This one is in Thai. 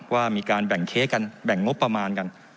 ว่ามีการแบ่งเค้กกันแบ่งงบประมาณกัน